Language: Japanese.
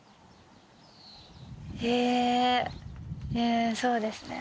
えそうですね。